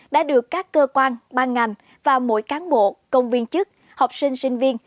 đã được các cơ quan ban ngành và mỗi cán bộ công viên chức học sinh sinh viên